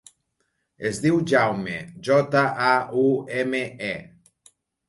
Es diu Jaume: jota, a, u, ema, e.